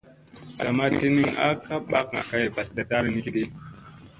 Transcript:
Sa ma tinin a ka ɓakŋa kay mbas ndattana ni ki ge.